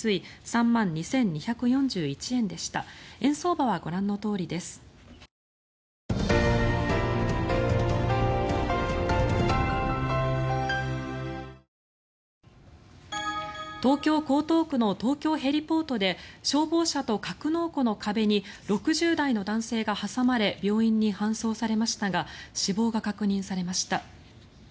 今回は１日限定ですが俳優組合など相次ぐストに東京・江東区の東京ヘリポートで消防車と格納庫の壁に６０代の男性が挟まれ病院に搬送されましたが死亡が確認されました。